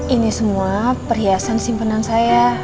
ini semua perhiasan simpenan saya